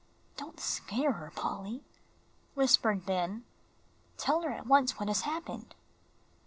"Don't scare her, Polly," whispered Ben. "Tell her at once what has happened."